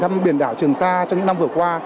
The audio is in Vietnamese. thăm biển đảo trường sa trong những năm vừa qua